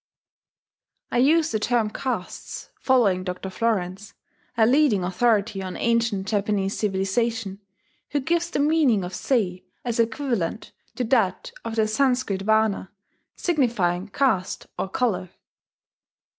(I use the term "castes," following Dr. Florenz, a leading authority on ancient Japanese civilization, who gives the meaning of sei as equivalent to that of the Sanscrit varna, signifying "caste" or "colour.")